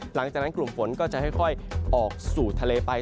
หลังจากนั้นกลุ่มฝนก็จะค่อยออกสู่ทะเลไป